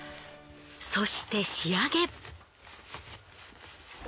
そして仕上げ。